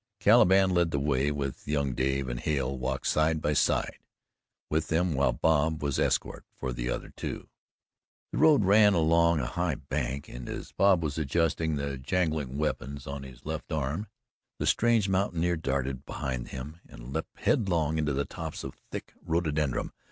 Caliban led the way with young Dave, and Hale walked side by side with them while Bob was escort for the other two. The road ran along a high bank, and as Bob was adjusting the jangling weapons on his left arm, the strange mountaineer darted behind him and leaped headlong into the tops of thick rhododendron.